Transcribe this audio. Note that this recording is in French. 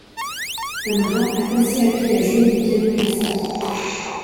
Tamara a aussi appris à jouer du piano classique.